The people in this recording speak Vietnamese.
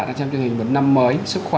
đã xem chương trình một năm mới sức khỏe